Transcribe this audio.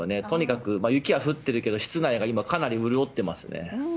とにかく雪は降ってるけど室内がかなり潤っていますね。